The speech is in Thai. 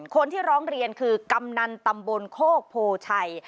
คนที่ร้องเรียนคือกำนันตำบลโคกโพชัย